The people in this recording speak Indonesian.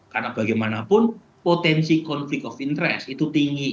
karena bagaimanapun potensi conflict of interest itu tinggi